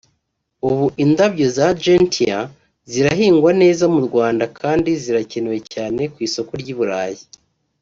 ubu indabo za Gentian zirahingwa neza mu Rwanda kandi zirakenewe cyane ku isoko ry’i Burayi